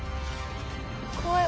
怖い！